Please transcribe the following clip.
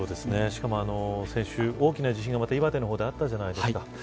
しかも先週、大きな地震がまた岩手の方であったじゃないですか。